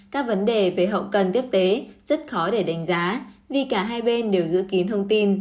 các vấn đề về hậu cần tiếp tế rất khó để đánh giá vì cả hai bên đều giữ kín thông tin